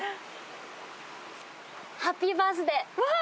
ハッピーバースデー。